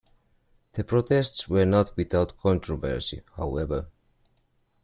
The protests were not without controversy however.